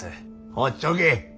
ほっちょけ。